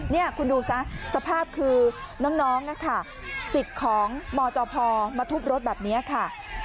นี่คุณดูซะสภาพคือน้องสิทธิ์ของมจพมาทุบรถแบบนี้ค่ะ